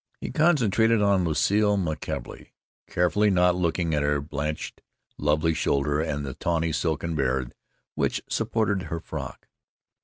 He concentrated on Lucile McKelvey, carefully not looking at her blanched lovely shoulder and the tawny silken band which supported her frock.